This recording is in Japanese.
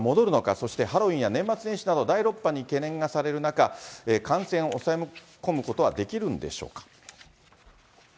そしてハロウィンや年末年始など、第６波に懸念がされる中、感染を抑え込むことはできるんでしょうか。